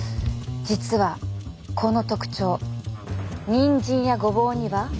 実はこの特徴にんじんやごぼうにはないんです。